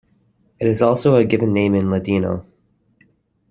It is also a given name in Ladino.